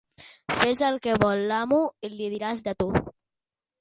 Fes el que vol l'amo i li diràs de tu.